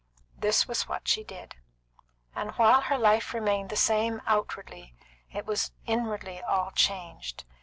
This was what she did, and while her life remained the same outwardly, it was inwardly all changed.